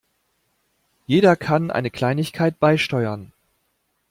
Jeder kann eine Kleinigkeit beisteuern.